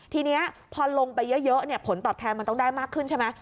ทีนี้พอลงไปเยอะผลตอบแทนมันต้องได้มากขึ้นใช่ไหม